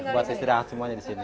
buat istirahat semuanya di sini